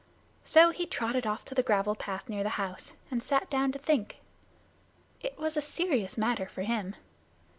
So he trotted off to the gravel path near the house, and sat down to think. It was a serious matter for him.